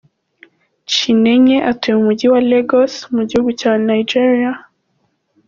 Chinenye atuye mu mujyi wa Lagos mu gihugu cya Nigeria.